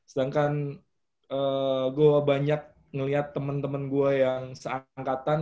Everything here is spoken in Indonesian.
sedangkan gue banyak ngeliat temen temen gue yang seangkatan